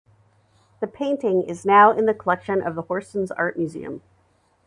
The painting is now in the collection of the Horsens Art Museum.